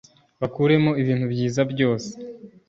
bakuremo ibintu byiza byose